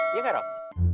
iya kak rob